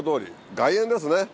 外苑ですね。